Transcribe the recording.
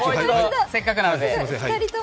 せっかくなので。